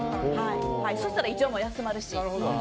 そしたら胃腸も休まるし。